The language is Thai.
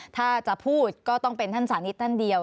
ถ้าจะพูดก็ต้องเป็นท่านสานิทท่านเดียว